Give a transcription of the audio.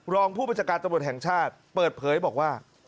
รองผู้บัญชาการตำรวจแห่งชาติเปิดเผยบอกว่า